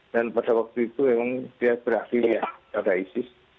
dan pada waktu itu memang dia beraktifitas pada isis